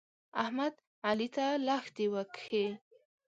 احمد؛ علي ته لښتې وکښې.